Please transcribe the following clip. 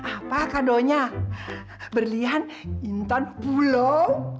apa kado nya berlian gintan pulau